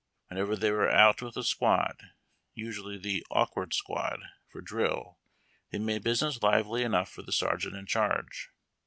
Whenever they were out with a squad — usually the "awkward squad" — for drill, they made business lively enough for the sergeant in charge.